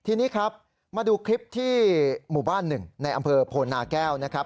ทีนี้ครับมาดูคลิปที่หมู่บ้านหนึ่งในอำเภอโพนาแก้วนะครับ